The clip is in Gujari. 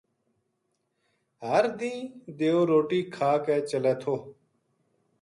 ہر دینہ دیو روٹی کھا کے چلے تھو